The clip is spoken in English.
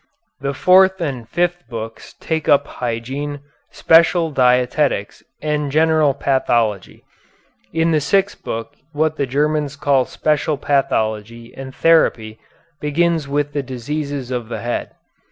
The fourth and fifth books take up hygiene, special dietetics, and general pathology. In the sixth book what the Germans call special pathology and therapy begins with the diseases of the head.